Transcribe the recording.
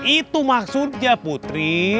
itu maksudnya putri